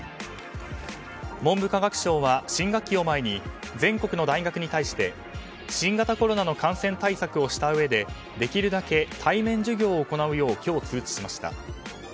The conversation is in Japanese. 文部科学省は新学期を前に全国の大学に対して新型コロナの感染対策をしたうえでできるだけ対面授業を行うよう今日、通知しました。